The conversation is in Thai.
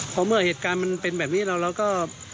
เพราะเมื่อเหตุการณ์มันเป็นแบบนี้เราก็